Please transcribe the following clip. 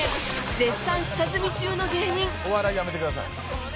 絶賛下積み中の芸人お笑いやめてください。